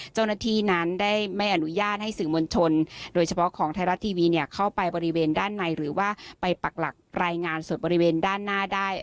เจ้าหน้าที่นั้นได้ไม่อนุญาตให้สื่อมวลชนโดยเฉพาะของไทยรัฐทีวีเนี่ยเข้าไปบริเวณด้านในหรือว่าไปปักหลักรายงานสดบริเวณด้านหน้าได้